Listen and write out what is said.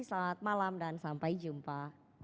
selamat malam dan sampai jumpa